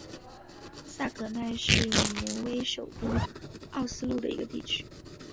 萨格奈是挪威首都奥斯陆的一个地区。